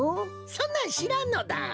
そんなんしらんのだ！